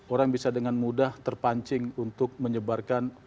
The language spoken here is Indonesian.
orang bisa dengan mudah terpancing untuk menyebarkan